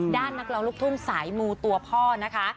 นักร้องลูกทุ่งสายมูตัวพ่อนะคะ